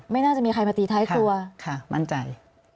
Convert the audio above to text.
น่าจะมีใครมาตีท้ายครัวค่ะมั่นใจ